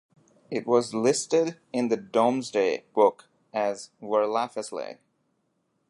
It was listed in the Domesday book as Werlafeslei.